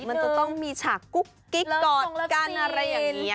มันจะต้องมีฉากกุ๊กกิ๊กกอดกันอะไรอย่างนี้